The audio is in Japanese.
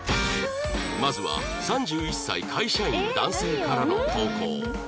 まずは３１歳会社員男性からの投稿